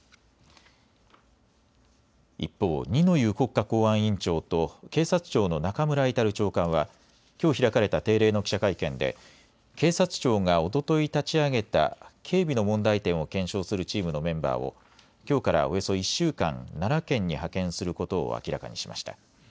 一方、二之湯国家公安委員長と警察庁の中村格長官はきょう開かれた定例の記者会見で警察庁がおととい立ち上げた警備の問題点を検証するチームのメンバーをきょうからおよそ１週間、奈良県に派遣することを明らかにしました。